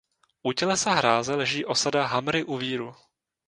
U tělesa hráze leží osada Hamry u Víru.